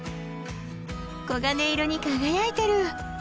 黄金色に輝いてる！